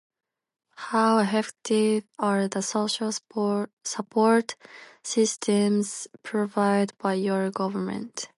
How have to our the social spor- support systems provide by your government?